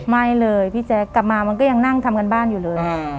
ไม่เลยพี่แจ๊คกลับมามันก็ยังนั่งทำการบ้านอยู่เลย